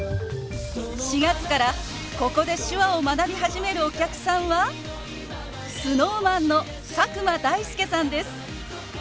４月からここで手話を学び始めるお客さんはＳｎｏｗＭａｎの佐久間大介さんです。